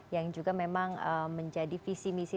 yang juga memang menjadi visi misi